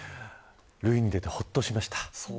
塁に出て、ほっとしました。